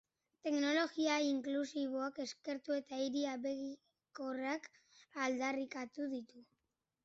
Teknologia inklusiboa eskertu eta hiri abegikorrak aldarrikatu ditu.